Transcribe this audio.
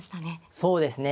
そうですね。